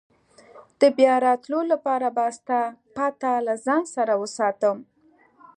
د بیا راتلو لپاره به ستا پته له ځان سره وساتم.